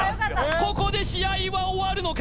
ここで試合は終わるのか？